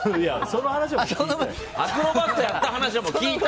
アクロバットやった話は聞いた！